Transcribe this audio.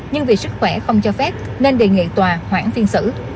nhưng vì sức khỏe không cho phép nên đề nghị tòa hoãn phiên xử